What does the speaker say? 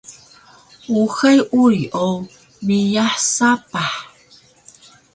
uxay uri o meiyah sapah